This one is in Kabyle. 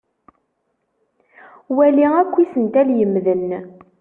Wali akk isental yemmden.